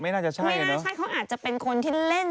ไม่น่าใช่เขาอาจจะเป็นคนที่เล่น